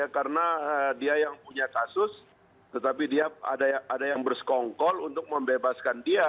karena dia yang punya kasus tetapi dia ada yang bersekongkol untuk membebaskan dia